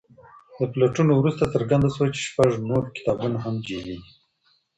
له پلټنو وروسته څرګنده شوه چې شپږ نور کتابونه هم جعلي دي.